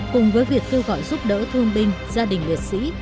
cùng với việc kêu gọi giúp đỡ thương binh gia đình liệt sĩ